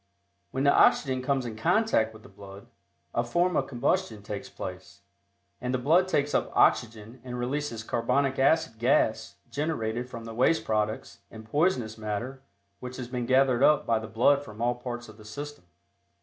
When the oxygen comes in contact with the blood, a form of combustion takes place, and the blood takes up oxygen and releases carbonic acid gas generated from the waste products and poisonous matter which has been gathered up by the blood from all parts of the system.